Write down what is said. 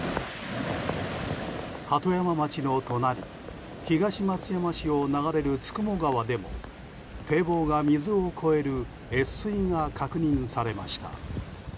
鳩山町の隣東松山市を流れる九十九川でも堤防を水が越える越水が確認されました。